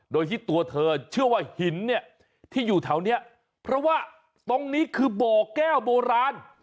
โดยที่ตัวเธอเชื่อว่าหินเนี่ยที่อยู่แถวนี้เพราะว่าตรงนี้คือบ่อแก้วโบราณ